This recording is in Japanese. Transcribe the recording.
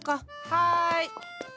はい。